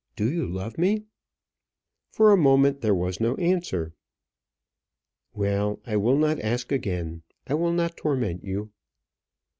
Do you love me?" For a moment there was no answer. "Well, I will not ask again. I will not torment you."